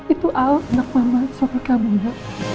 itu al anak mama suami kamu ya